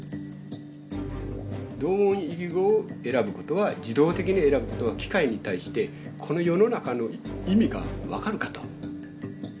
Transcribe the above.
同音異義語を選ぶことは自動的に選ぶことは機械に対してこの世の中の意味が分かるかと。